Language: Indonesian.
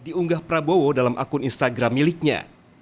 diunggah prabowo dalam akun instagram miliknya